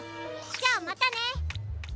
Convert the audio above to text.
じゃまたね。